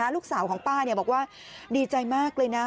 ลูกสาวของป้าบอกว่าดีใจมากเลยนะ